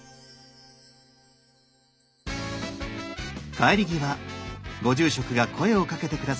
帰り際ご住職が声をかけて下さいました。